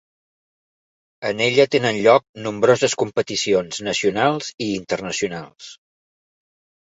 En ella tenen lloc nombroses competicions nacionals i internacionals.